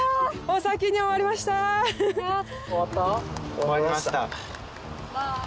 ・終わりました。